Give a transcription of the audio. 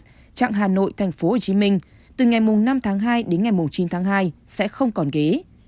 trạng hà nội tp hcm từ ngày năm tháng hai đến ngày chín tháng hai sẽ không còn ghế